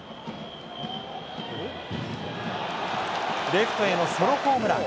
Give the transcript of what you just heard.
レフトへのソロホームラン。